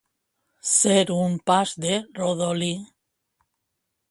Ser un pas de rodolí.